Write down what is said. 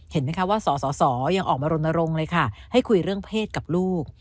เห็นไหมคะว่าสสยังออกมารณรงค์เลยค่ะให้คุยเรื่องเพศกับลูก